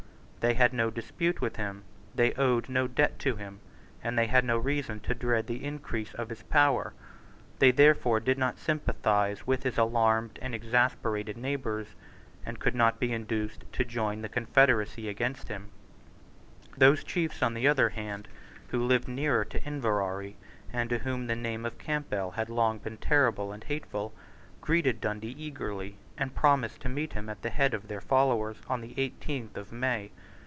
They had no dispute with him; they owed no debt to him: and they had no reason to dread the increase of his power. They therefore did not sympathize with his alarmed and exasperated neighbours, and could not be induced to join the confederacy against him, Those chiefs, on the other hand, who lived nearer to Inverary, and to whom the name of Campbell had long been terrible and hateful, greeted Dundee eagerly, and promised to meet him at the head of their followers on the eighteenth of May.